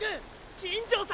金城さん